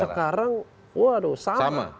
sekarang waduh sama